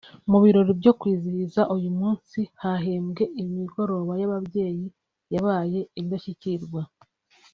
Mu birori byo kwizihiza uyu munsi hahembwe imigoroba y’ababyeyi yabaye indashyikirwa